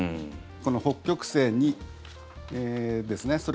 この北極星２ですね